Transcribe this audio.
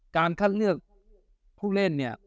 การคัดเลือกผู้เล่นเนี่ย